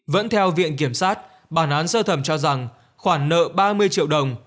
vẫn theo viện kiểm sát bản án sơ thẩm cho rằng khoản nợ ba mươi triệu đồng